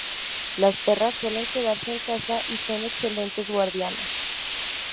Las perras suelen quedarse en casa y son excelentes guardianas.